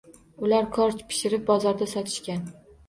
Ular korj pishirib, bozorda sotishgan.